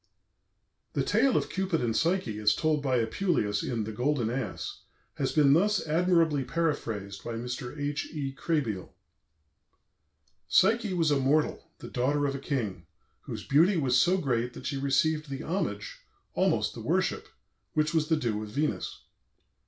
The tale of Cupid and Psyche, as told by Apuleius in "The Golden Ass," has been thus admirably paraphrased by Mr. H. E. Krehbiel: "Psyche was a mortal, the daughter of a king, whose beauty was so great that she received the homage, almost the worship, which was the due of Venus.